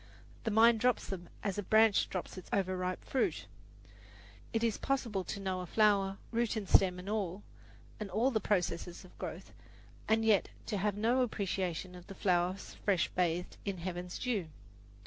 The mind drops them as a branch drops its overripe fruit. It is possible to know a flower, root and stem and all, and all the processes of growth, and yet to have no appreciation of the flower fresh bathed in heaven's dew.